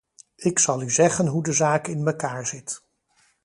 Ik zal u zeggen hoe de zaak in mekaar zit.